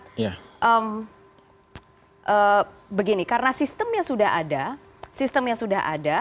kita bisa lihat begini karena sistemnya sudah ada sistemnya sudah ada